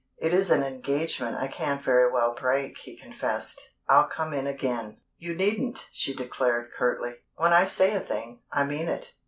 "It is an engagement I can't very well break," he confessed. "I'll come in again." "You needn't," she declared, curtly. "When I say a thing, I mean it.